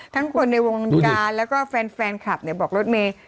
ทั้งคนในวงการแล้วก็แฟนขับเนี่ยบอกรถเมย์